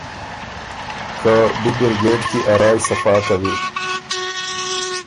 که بی برګېډ کی ا رایٛ صفا کوی